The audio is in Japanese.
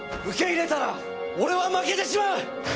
受け入れたら俺は負けてしまう！